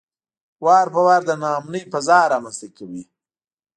وار په وار د ناامنۍ فضا رامنځته کوي.